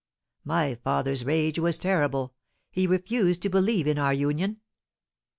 My father's rage was terrible; he refused to believe in our union.